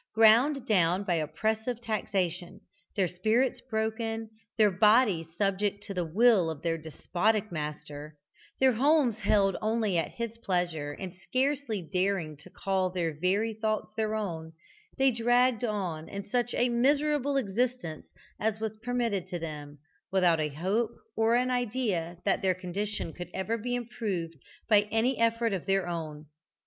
Ground down by oppressive taxation, their spirits broken, their bodies subject to the will of their despotic master, their homes held only at his pleasure, and scarcely daring to call their very thoughts their own, they dragged on such a miserable existence as was permitted to them, without a hope or an idea that their condition could ever be improved by any effort of their own.